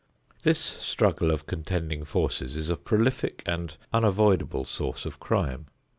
This struggle of contending forces is a prolific and unavoidable source of crime.